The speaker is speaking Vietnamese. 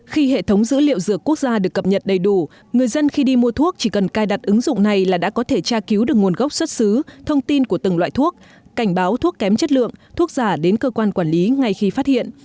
khi hệ thống dữ liệu dược quốc gia được cập nhật đầy đủ người dân khi đi mua thuốc chỉ cần cài đặt ứng dụng này là đã có thể tra cứu được nguồn gốc xuất xứ thông tin của từng loại thuốc cảnh báo thuốc kém chất lượng thuốc giả đến cơ quan quản lý ngay khi phát hiện